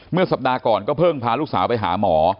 เมื่อสัปดาห์ก่อนก็เพิ่งพาลูกสาวไปหาหมอ